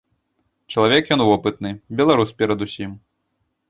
Чалавек ён вопытны, беларус перадусім.